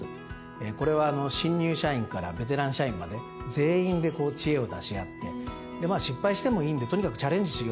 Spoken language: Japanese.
これはあの新入社員からベテラン社員まで全員で知恵を出し合ってでまあ失敗してもいいんでとにかくチャレンジしようよと。